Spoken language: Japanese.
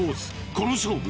この勝負